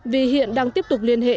vì hiện đang tiếp tục liên hệ